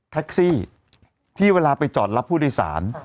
แท็กซี่ที่เวลาไปจอดรับผู้โดยสาร